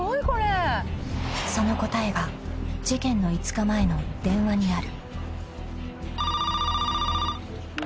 ［その答えは事件の５日前の電話にある］